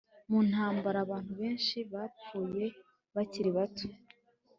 mu ntambara, abantu benshi bapfuye bakiri bato